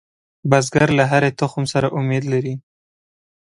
بزګر له هرې تخم سره امید لري